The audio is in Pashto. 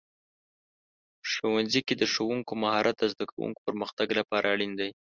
ښوونځي کې د ښوونکو مهارت د زده کوونکو پرمختګ لپاره اړین دی.